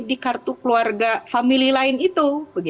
di kartu keluarga famili lain itu